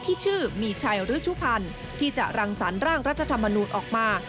ที่ชื่อมีชัยฤชุพันธ์ที่จะรังสรรค์ร่างรัฐธรรมนูญออกมา